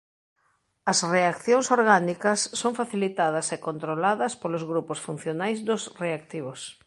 As reaccións orgánicas son facilitadas e controladas polos grupos funcionais dos reactivos.